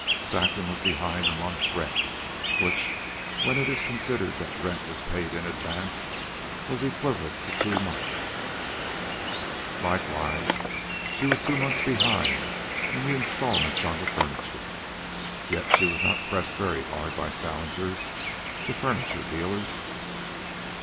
Saxon was behind a month's rent, which, when it is considered that rent was paid in advance, was equivalent to two months. Likewise, she was two months behind in the installments on the furniture. Yet she was not pressed very hard by Salinger's, the furniture dealers.